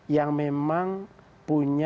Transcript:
yang memang punya